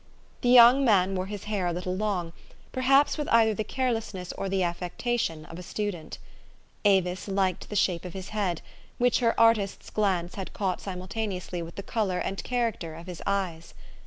The young man wore his hair a little long, 70 THE STORY OF AVIS. perhaps with either the carelessness or the affecta tion of a student. Avis liked the shape of his head, which her artist's glance had caught simultaneously with the color and character of his eyes.